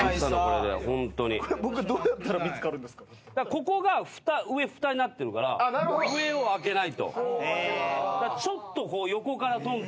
ここが上ふたになってるから上を開けないと。